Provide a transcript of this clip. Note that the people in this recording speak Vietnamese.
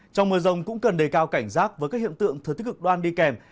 trong mưa rông cũng cần đề cao cảnh giác với các hiện tượng thừa tích cực đoan đi kèm